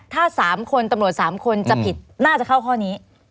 ถ้า๓คนตำรวจ๓คนจะผิดน่าจะเข้าข้อนี้